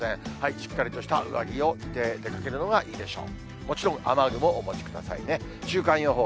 しっかりとした上着を着て出かけるのがいいでしょう。